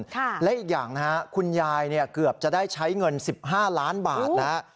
และอีกอย่างนะฮะคุณยายเนี่ยเกือบจะได้ใช้เงิน๑๕ล้านบาทแล้ว